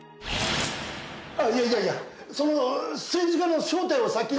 ああいやいやいやその政治家の正体を先に。